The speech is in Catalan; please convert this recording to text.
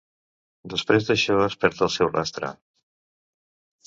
Després d'això, es perd el seu rastre.